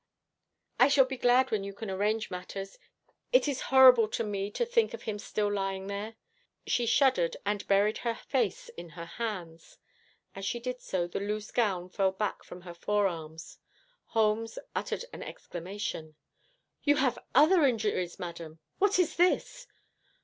'I shall be glad when you can arrange matters. It is horrible to me to think of him still lying there.' She shuddered and buried her face in her hands. As she did so, the loose gown fell back from her forearms. Holmes uttered an exclamation. 'You have other injuries, madam! What is this?'